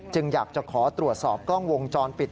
อยากจะขอตรวจสอบกล้องวงจรปิด